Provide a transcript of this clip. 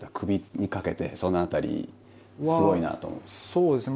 そうですね。